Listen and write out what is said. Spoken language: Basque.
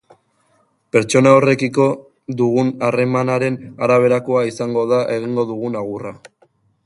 Pertsona horrekiko dugun harremanaren araberakoa izango da egingo dugun agurra.